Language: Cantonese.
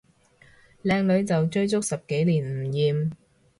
靚女就追足十幾年唔厭